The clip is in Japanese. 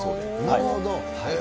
なるほど。